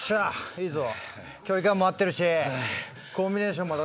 いいぞ。